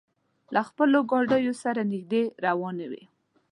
له خپلو ګاډیو سره نږدې روانې وې.